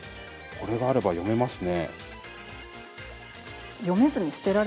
これがあれば読めますね。